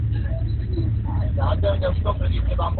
He initially worked on elliptic curves.